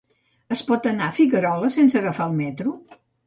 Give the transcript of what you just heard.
Es pot anar a Figueroles sense agafar el metro?